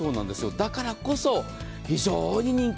だからこそ非常に人気。